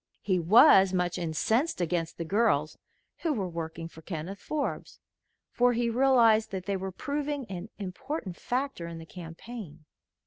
He was much incensed against the girls who were working for Kenneth Forbes, for he realized that they were proving an important factor in the campaign.